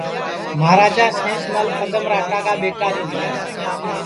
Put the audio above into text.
مہاراجا سینس مل پدم راٹا کا ٻیٹا تیا